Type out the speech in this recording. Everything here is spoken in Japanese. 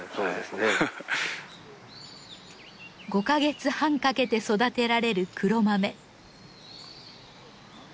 ５カ月半かけて育てられる黒豆。